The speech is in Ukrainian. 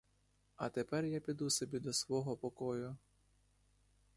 А тепер я піду собі до свого покою.